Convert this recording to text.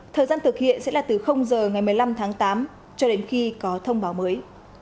thời gian thực hiện sẽ là từ giờ ngày một mươi năm tháng tám cho đến khi có thông báo mới